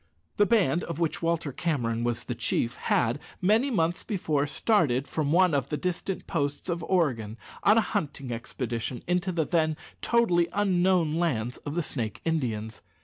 The band of which Walter Cameron was the chief had, many months before, started from one of the distant posts of Oregon on a hunting expedition into the then totally unknown lands of the Snake Indians.